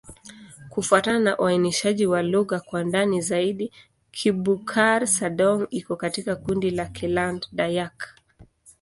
Kufuatana na uainishaji wa lugha kwa ndani zaidi, Kibukar-Sadong iko katika kundi la Kiland-Dayak.